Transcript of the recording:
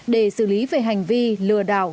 để xử lý về hành vi lừa đảo